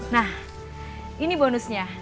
nah ini bonusnya